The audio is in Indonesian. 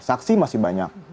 saksi masih banyak